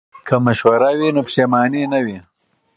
که مشوره وي نو پښیمانی نه وي.